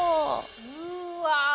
うわ！